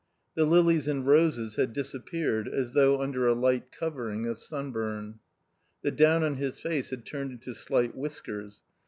The lilies and roses had disappeared as though under a light covering of sunburn. The down on his face had turned into slight whiskers.